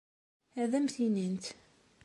Ad am-t-inint.